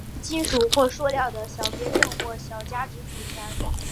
主要由金属或塑料的小别针或小夹子组成。